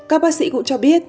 các bác sĩ cũng cho biết